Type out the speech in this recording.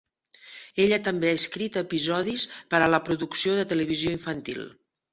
Ella també ha escrit episodis per a la producció de televisió infantil.